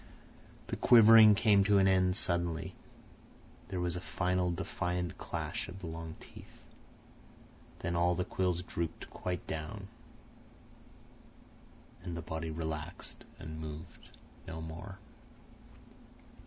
The quivering came to an end suddenly. There was a final defiant clash of the long teeth. Then all the quills drooped quite down, and the body relaxed and moved no more.